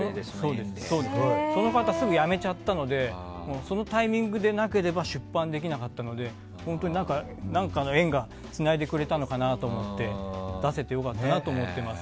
その方、すぐ辞めちゃったのでそのタイミングでなければ出版できなかったので本当に何かの縁がつないでくれたのかなと思って出せて良かったなと思っています。